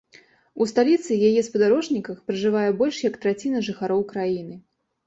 У сталіцы і яе спадарожніках пражывае больш як траціна жыхароў краіны.